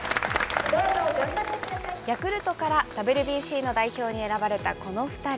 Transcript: ヤクルトからＷＢＣの代表に選ばれたこの２人。